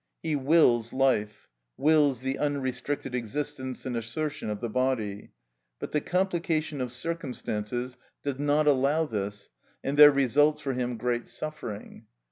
He wills life—wills the unrestricted existence and assertion of the body; but the complication of circumstances does not allow this, and there results for him great suffering.